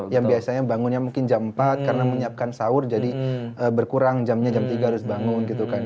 yang biasanya bangunnya mungkin jam empat karena menyiapkan sahur jadi berkurang jamnya jam tiga harus bangun gitu kan